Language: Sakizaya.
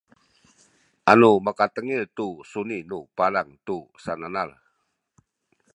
anu makatengil tu suni nu palang tu sananal